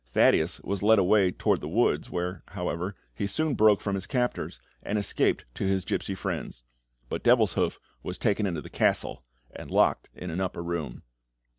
Thaddeus was led away towards the woods, where, however, he soon broke from his captors, and escaped to his gipsy friends; but Devilshoof was taken into the castle and locked in an upper room.